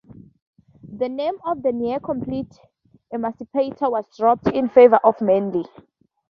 The name of the near complete "Emancipator" was dropped in favour of "Manly".